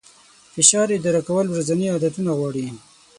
فشار اداره کول ورځني عادتونه غواړي.